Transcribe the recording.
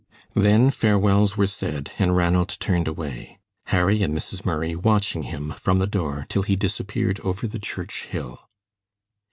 Then farewells were said, and Ranald turned away, Harry and Mrs. Murray watching him from the door till he disappeared over the church hill.